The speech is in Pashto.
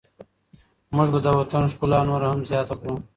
موږ به د وطن ښکلا نوره هم زیاته کړو.